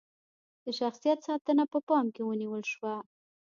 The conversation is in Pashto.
د شخصیت ساتنه په پام کې ونیول شوه.